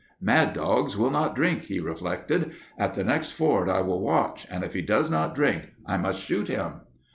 'Mad dogs will not drink,' he reflected. 'At the next ford I will watch, and if he does not drink I must shoot him.'